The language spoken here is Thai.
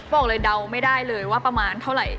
บอกเลยเดาไม่ได้เลยว่าประมาณเท่าไหร่